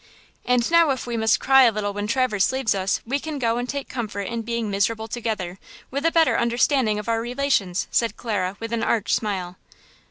"And now if we must cry a little when Traverse leaves us, we can go and take comfort in being miserable together, with a better understanding of our relations!" said Clara with an arch smile.